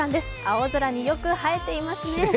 青空によく映えていますね。